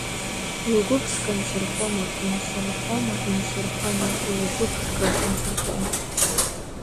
Лгәы ԥшқа нсырхома, инсырхома, инсырхома, лгәы ԥшқа нсырхома?